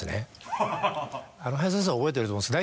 林先生は覚えてると思うんです